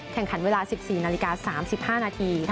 แข่งขันเวลา๑๔น๓๕น